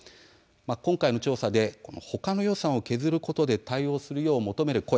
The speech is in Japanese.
今回の調査で他の予算を削ることで対応するよう求める声